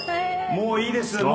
もういいです。